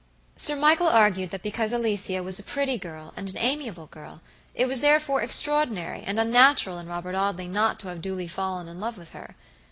Sir Michael argued that because Alicia was a pretty girl and an amiable girl it was therefore extraordinary and unnatural in Robert Audley not to have duly fallen in love with her.